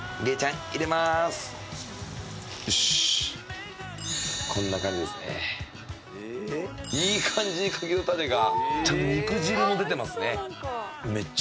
いい感じに柿の種がちゃんと肉汁も出てますね。